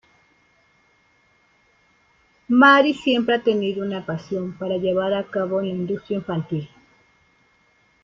Mary siempre ha tenido una pasión para llevar a cabo en la industria infantil.